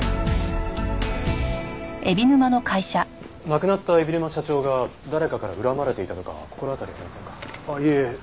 亡くなった海老沼社長が誰かから恨まれていたとか心当たりありませんか？